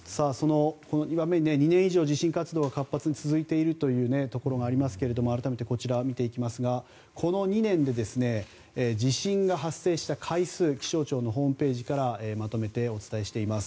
２年以上地震活動が活発に続いているというところもありますけれども改めて、こちらを見ていきますがこの２年で地震が発生した回数を気象庁のホームページからまとめてお伝えしています。